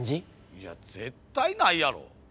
いや絶対ないやろ。